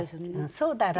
そうだら。